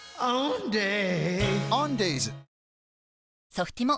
ソフティモ